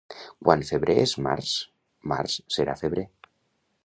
Quan febrer és març, març serà febrer.